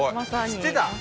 知ってた？